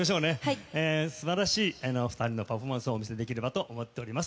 素晴らしい２人のパフォーマンスをお見せできればと思います。